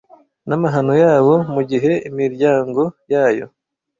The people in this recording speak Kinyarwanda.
N'amahano yabo; mu gihe imiryango yayo,